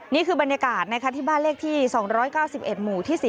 นี่คือบรรยากาศที่บ้านเลขที่๒๙๑หมู่ที่๔